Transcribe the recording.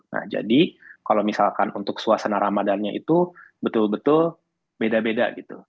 nah jadi kalau misalkan untuk suasana ramadannya itu betul betul beda beda gitu